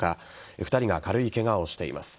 ２人が軽いケガをしています。